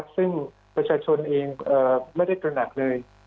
ซึ่งประชาชนเองไม่ได้ตระหนักเลย